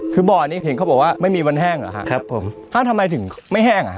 คือบ่อนี้เห็นเขาบอกว่าไม่มีวันแห้งเหรอครับครับผมอ้าวทำไมถึงไม่แห้งอ่ะฮ